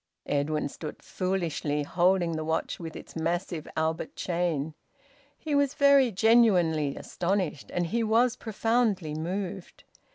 Edwin stood foolishly holding the watch with its massive Albert chain. He was very genuinely astonished, and he was profoundly moved.